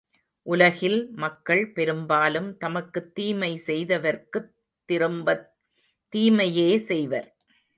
உலகில் மக்கள், பெரும்பாலும் தமக்குத் தீமை செய்தவர்க்குத் திரும்பத் தீமையே செய்வர்.